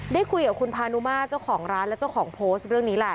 ได้คุยกับคุณพานุมาเจ้าของร้านและเจ้าของโพสต์เรื่องนี้แหละ